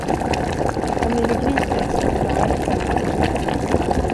Om ni begriper det, så förklara det för mig.